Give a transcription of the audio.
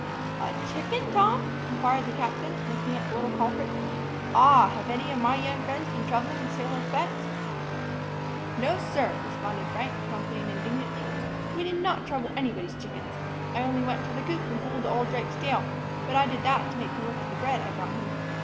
"A chicken, Tom?" inquired the captain, looking at the little culprits. "Ah, have any of my young friends been troubling the sailor's pets?" "No, sir," responded Frank, promptly and indignantly. "We did not trouble anybody's chickens. I only went to the coop, and pulled the old drake's tail; but I did that to make him look at the bread I brought him."